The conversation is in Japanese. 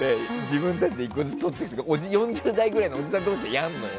自分たちで１個ずつ取っていくのを４０代ぐらいのおじさん同士でやるのよ。